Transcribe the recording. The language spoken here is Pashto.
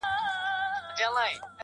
د دربار له دروېشانو سره څه دي؟.!